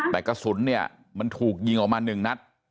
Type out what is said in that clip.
แต่กระสุนเนี่ยมันถูกยิงออกมา๑นัด